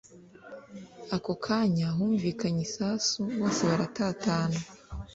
ako kanya humvikanye isasu bose baratatana